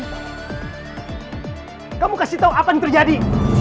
kalo kamu jentol kamu kasih tau apa yang terjadi